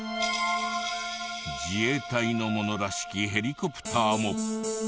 自衛隊のものらしきヘリコプターも。